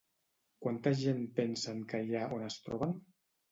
Quanta gent pensen que hi ha on es troben?